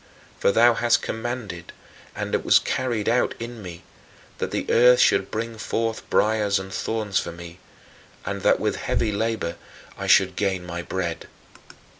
For thou hadst commanded, and it was carried out in me, that the earth should bring forth briars and thorns for me, and that with heavy labor I should gain my bread.